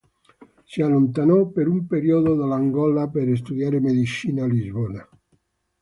Si allontanò per un periodo dall'Angola per studiare medicina a Lisbona.